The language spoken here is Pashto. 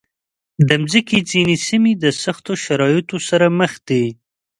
د مځکې ځینې سیمې د سختو شرایطو سره مخ دي.